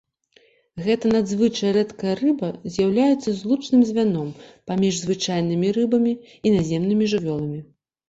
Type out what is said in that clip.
Гэта надзвычай рэдкая рыба з'яўляецца злучным звяном паміж звычайнымі рыбамі і наземнымі жывёламі.